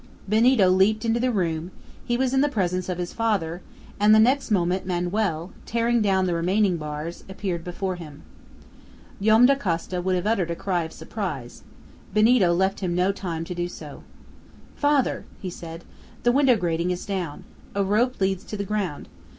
Benito leaped into the room; he was in the presence of his father, and the next moment Manoel, tearing down the remaining bars, appeared before him. Joam Dacosta would have uttered a cry of surprise. Benito left him no time to do so. "Father," he said, "the window grating is down. A rope leads to the ground.